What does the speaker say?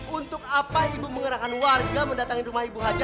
untuk apa ibu mengerahkan warga mendatangi rumah ibu haja